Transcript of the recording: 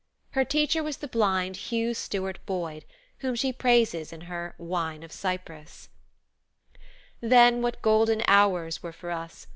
Her teacher was the blind Hugh Stuart Boyd, whom she praises in her Wine of Cyprus. "Then, what golden hours were for us!